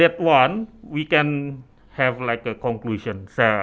jadi dari situ kita bisa memiliki kesimpulan